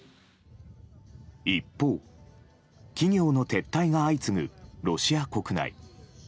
一方、企業の撤退が相次ぐロシア国内。